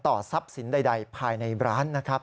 ทรัพย์สินใดภายในร้านนะครับ